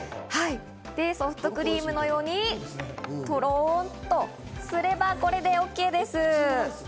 で、ソフトクリームのようにトロンとすれば、これでＯＫです。